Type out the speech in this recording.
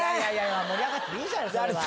盛り上がってていいじゃないそれは。